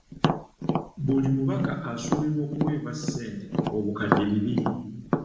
Buli mubaka asuubirwa okuweebwa ssente obukadde bibiri.